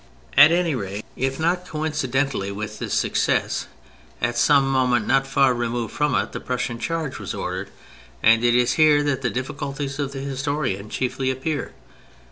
At any rate, if not coin THE MILITARY ASPECT 161 cidently with this success, at some moment not far removed from it, the Prussian charge was ordered, and it is here that the difficulties of the historian chiefly appear.